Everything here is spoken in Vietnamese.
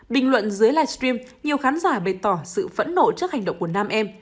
bình luận dưới livestream nhiều khán giả bày tỏ sự phẫn nộ trước hành động của nam em